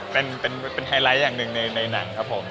เป็นไฮไลท์อย่างหนึ่งในหนังครับผม